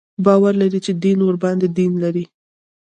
باور لري چې دین ورباندې دین لري.